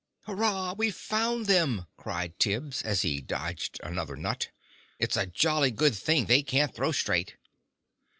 "Hurrah! We've found them!" cried Tibbs, as he dodged another nut. "It's a jolly good thing they can't throw straight."